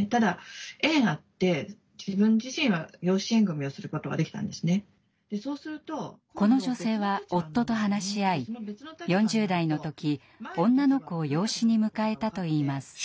みたいな感じの印象を受けるぐらいこの女性は夫と話し合い４０代の時女の子を養子に迎えたといいます。